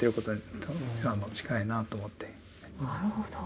なるほど。